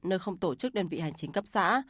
nơi không tổ chức đơn vị hành chính cấp xã